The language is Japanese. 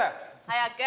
早く！